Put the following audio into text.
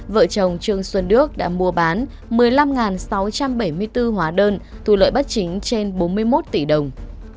vợ chồng trương xuân đức đã mua bán một mươi năm sáu trăm bảy mươi bốn hóa đơn thu lợi bất chính trên bốn mươi một tỷ đồng